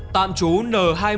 tạm chú n hai mươi chín